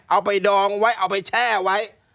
เอาไปดองไว้เอาไปแช่ไว้